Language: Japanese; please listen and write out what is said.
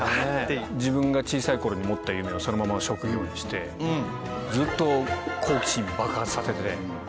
自分が小さい頃に持った夢をそのまま職業にしてずっと好奇心爆発させてて。